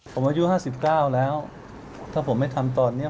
ผมอายุห้าสิบเก้าแล้วถ้าผมไม่ทำตอนเนี้ย